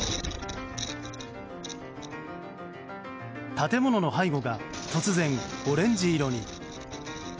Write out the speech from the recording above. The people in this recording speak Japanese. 建物の背後が突然、オレンジ色に。